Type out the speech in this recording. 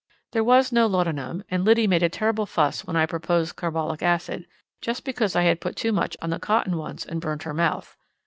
There was no laudanum, and Liddy made a terrible fuss when I proposed carbolic acid, just because I had put too much on the cotton once and burned her mouth.